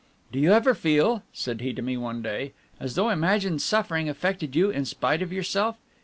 "Do you ever feel," said he to me one day, "as though imagined suffering affected you in spite of yourself?